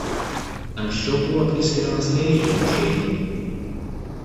Anksčiau buvo priskiriamas lelijinių šeimai.